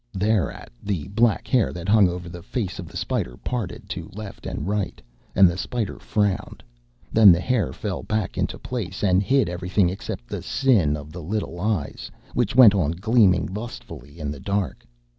Thereat the black hair that hung over the face of the spider parted to left and right, and the spider frowned; then the hair fell back into its place, and hid everything except the sin of the little eyes which went on gleaming lustfully in the dark.